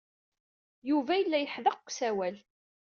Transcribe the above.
Yuba yella yeḥdeq deg usawal.